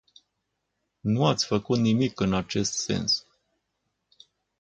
Nu ați făcut nimic în acest sens.